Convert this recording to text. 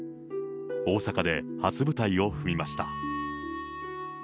大阪で初舞台を踏みました。